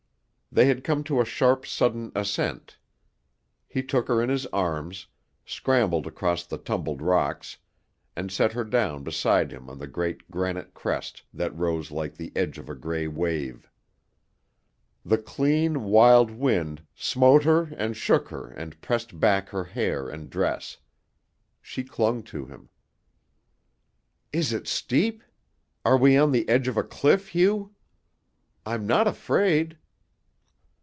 They had come to a sharp sudden ascent. He took her in his arms, scrambled across the tumbled rocks, and set her down beside him on the great granite crest that rose like the edge of a gray wave. The clean, wild wind smote her and shook her and pressed back her hair and dress. She clung to him. "Is it steep? Are we on the edge of a cliff, Hugh? I'm not afraid!"